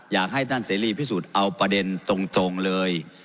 อยากให้ท่านเสรีพิสูจน์เอาประเด็นตรงเลย